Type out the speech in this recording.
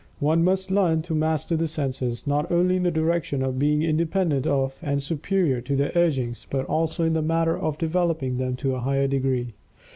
One must learn to master the senses, not only in the direction of being independent of and superior to their urgings, but also in the matter of developing them to a high degree.